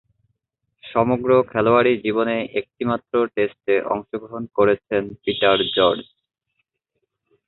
সমগ্র খেলোয়াড়ী জীবনে একটিমাত্র টেস্টে অংশগ্রহণ করেছেন পিটার জর্জ।